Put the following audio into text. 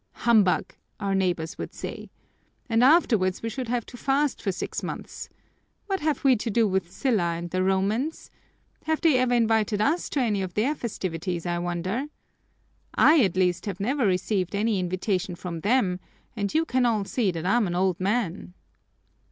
'Humbug!' our neighbors would say. And afterwards we should have to fast for six months! What have we to do with Sylla and the Romans? Have they ever invited us to any of their festivities, I wonder? I, at least, have never received any invitation from them, and you can all see that I'm an old man!"